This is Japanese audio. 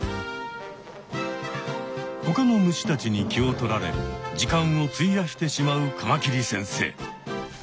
ほかの虫たちに気を取られ時間をついやしてしまうカマキリ先生。